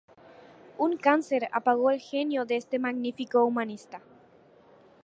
Un cáncer apagó el genio de este magnífico humanista.